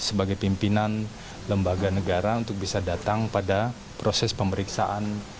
sebagai pimpinan lembaga negara untuk bisa datang pada proses pemeriksaan